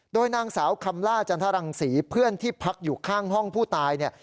โดยนางสาวคำล่าจันทรังศรีเพื่อนที่พักอยู่ข้างห้องผู้ตายเนี่ย